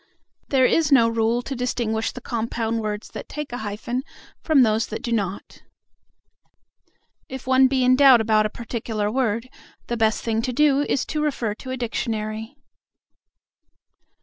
There is no rule to distinguish the compound words that take a hyphen from those that do not. If one be in doubt about a particular word, the best thing to do is to refer to a dictionary.